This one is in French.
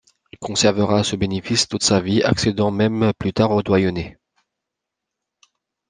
Il conservera ce bénéfice toute sa vie, accédant même plus tard au doyenné.